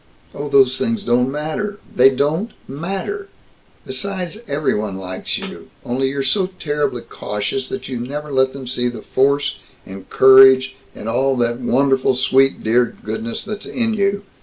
"Oh, those things don't matter they don't matter! Besides, everybody likes you only you're so terribly cautious that you never let them see the force and courage and all that wonderful sweet dear goodness that's in you.